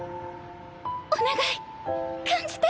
お願い感じて！